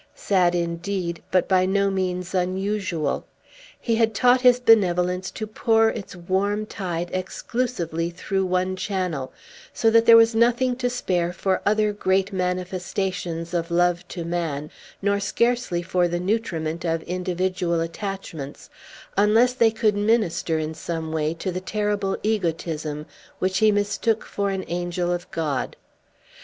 Sad, indeed, but by no means unusual: he had taught his benevolence to pour its warm tide exclusively through one channel; so that there was nothing to spare for other great manifestations of love to man, nor scarcely for the nutriment of individual attachments, unless they could minister in some way to the terrible egotism which he mistook for an angel of God.